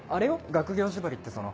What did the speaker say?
学業縛りってその。